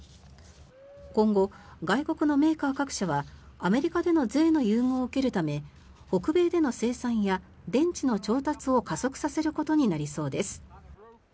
今後、外国のメーカー各社はアメリカでの税の優遇を受けるため北米での生産や電池の調達を加速させることになりそうです。